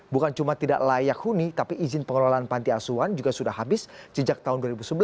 bukan cuma tidak layak huni tapi izin pengelolaan panti asuhan juga sudah habis sejak tahun dua ribu sebelas